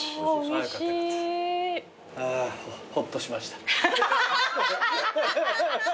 あほっとしました。